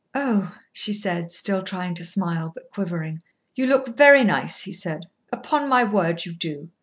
'" "Oh!" she said, still trying to smile, but quivering. "You look very nice," he said. "Upon my word you do."